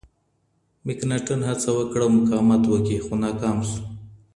مکناتن هڅه وکړه مقاومت وکړي خو ناکام شو.